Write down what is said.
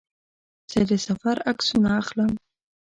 زه د سفر عکسونه اخلم.